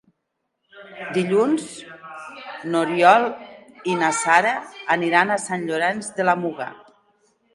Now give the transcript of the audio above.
Dilluns n'Oriol i na Sara aniran a Sant Llorenç de la Muga.